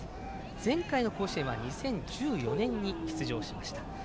前回の甲子園は２０１４年に出場しました。